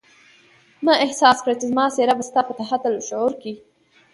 ما احساس کړه چې زما څېره به ستا په تحت الشعور کې.